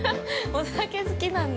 お酒好きなんで。